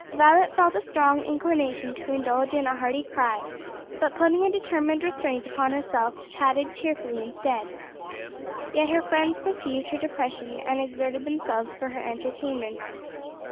Violet felt a strong inclination to indulge in a hearty cry, but putting a determined restraint upon herself, chatted cheerfully instead. Yet her friends perceived her depression and exerted themselves for her entertainment.